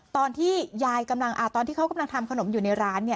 ตอนที่เขากำลังทำขนมอยู่ในร้าน